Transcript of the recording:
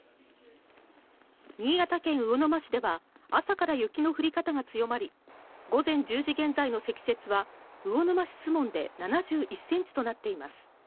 新潟県魚沼市では朝から雪の降り方が強まり、午前１０時現在の積雪は魚沼市守門で７１ｃｍとなっています。